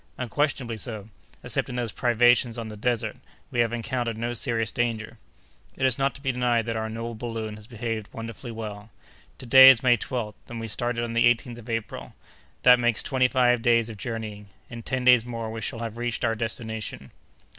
"Unquestionably so; excepting those privations on the desert, we have encountered no serious danger." "It is not to be denied that our noble balloon has behaved wonderfully well. To day is May 12th, and we started on the 18th of April. That makes twenty five days of journeying. In ten days more we shall have reached our destination."